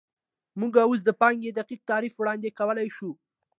موږ اوس د پانګې دقیق تعریف وړاندې کولی شو